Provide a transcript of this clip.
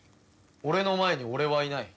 俺の前に俺はいない。